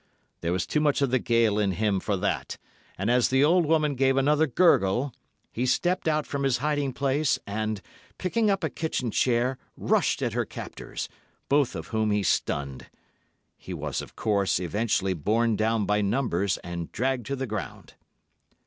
There was too much of the Gael in him for that, and as the old woman gave another gurgle, he stepped out from his hiding place, and picking up a kitchen chair, rushed at her captors, both of whom he stunned. He was, of course, eventually borne down by numbers, and dragged to the ground.